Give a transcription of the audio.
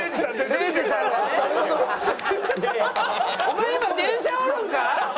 「お前今電車おるんか？」。